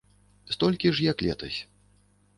Столькі ж як летась.